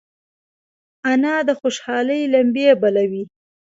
انا د خوشحالۍ لمبې بلوي